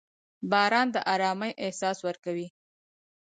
• باران د ارامۍ احساس ورکوي.